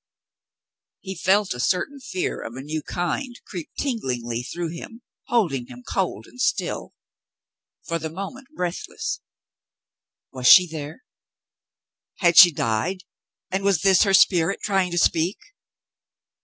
He felt a certain fear of a new kind creep tinglingly through him, holding him cold and still — for the moment breathless. Was she there ? Had she died, and was this her spirit trying to speak